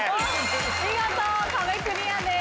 見事壁クリアです。